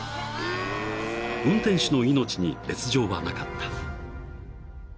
［運転手の命に別条はなかった］